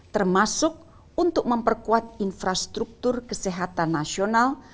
termasuk untuk memperkuat infrastruktur kesehatan nasional